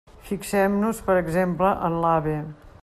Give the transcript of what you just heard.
Fixem-nos, per exemple, en l'AVE.